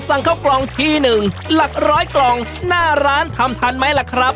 ยอดสั่งข้าวคล้องที่๑หลัก๑๐๐ก่องหน้าร้านทำทานไหมล่ะครับ